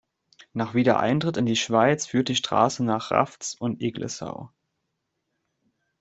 Nach Wiedereintritt in die Schweiz führt die Strasse nach Rafz und Eglisau.